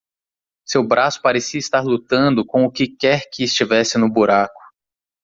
Seu braço parecia estar lutando com o que quer que estivesse no buraco.